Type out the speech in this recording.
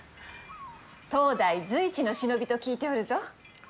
当代随一の忍びと聞いておるぞ。